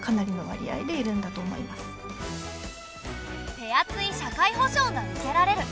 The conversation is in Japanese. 手厚い社会保障が受けられる。